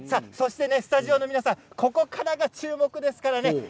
スタジオの皆さん、ここからが注目ですからね。